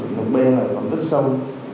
quỹ lập b nó còn rất sâu